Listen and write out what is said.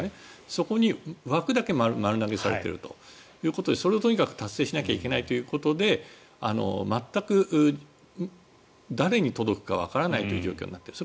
そこに枠だけ丸投げされているということでそれをとにかく達成しなければいけないということで全く誰に届くかわからないという状況になっている。